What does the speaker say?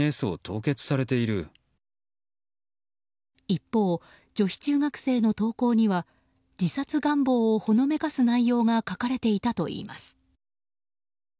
一方、女子中学生の投稿には自殺願望をほのめかす内容が書かれていたといいます。